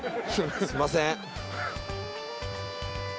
すいません。